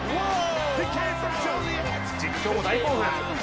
実況も大興奮。